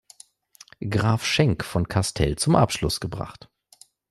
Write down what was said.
Graf Schenk von Castell zum Abschluss gebracht.